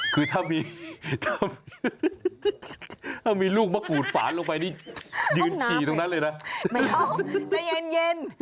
คือถ้ามีถ้ามีลูกมะกรูดฝานลงไปนี่ยืนฉี่ตรงนั้นเลยนะไม่ยอมใจเย็น